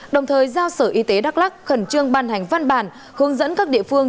đồng thời giao sở y tế đắk lắc khẩn trương ban hành văn bản hướng dẫn các địa phương